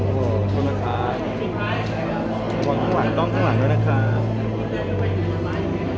กลมกลมไปดิ่งดีกว่า